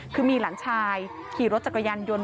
คือมีหลานชายขี่รถจักรยานยนต์